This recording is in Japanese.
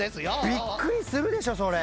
びっくりするでしょそれ。